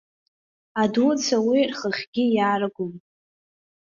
Адуцәа уи рхахьгьы иааргом.